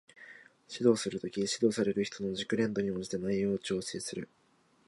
指導する時、指導される人の熟練度に応じて内容を調整する